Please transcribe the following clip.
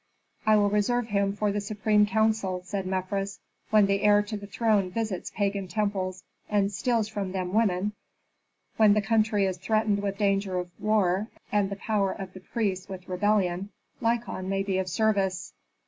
"I will reserve him for the supreme council," said Mefres. "When the heir to the throne visits pagan temples and steals from them women, when the country is threatened with danger of war, and the power of the priests with rebellion, Lykon may be of service."